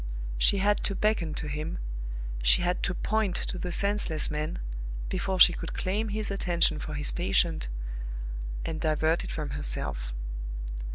She had to beckon to him, she had to point to the senseless man, before she could claim his attention for his patient and divert it from herself.